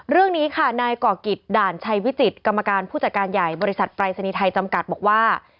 เรื่องนี้ค่ะนายก่อกิจด่านชัยวิจิตกรรมการผู้จัดการใหญ่บริษัทปรายศนีย์ไทยจำกัดบอกว่า